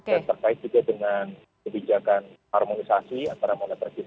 dan terkait juga dengan kebijakan harmonisasi antara monitor fiskal